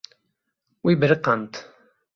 Wî biriqand.